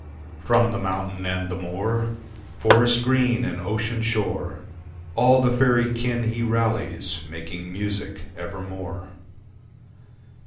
From the mountain and the moor, Forest green and ocean shore All the faerie kin he rallies Making music evermore.